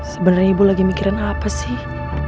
sebenarnya ibu lagi mikirin apa sih